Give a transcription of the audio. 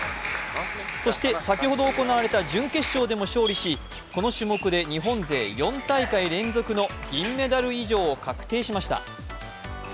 そして、先ほど行われた準決勝で勝利し、この種目で日本勢４大会連続の銀メダル以上を獲得しました。